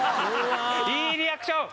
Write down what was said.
いいリアクション！